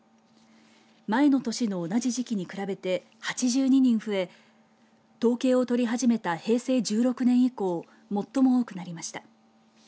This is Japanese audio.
前の年の同じ時期に比べて８２人増え統計を取り始めた平成１６年以降最も多くなりました。